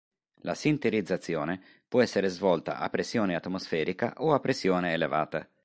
La sinterizzazione può essere svolta a pressione atmosferica o a pressione elevata.